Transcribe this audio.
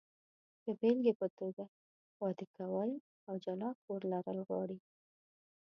د بېلګې په توګه، واده کول او جلا کور لرل غواړي.